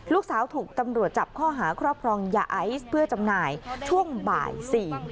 ลูกสาวถูกตำรวจจับข้อหาครอบครองยาไอซ์เพื่อจำหน่ายช่วงบ่าย๔